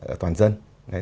ở toàn dân